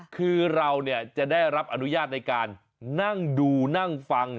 คือเราจะได้รับอนุญาตในการนั่งดูนั่งฟัง